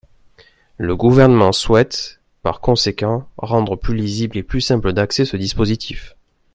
Le Gouvernement souhaite, par conséquent, rendre plus lisible et plus simple d’accès ce dispositif.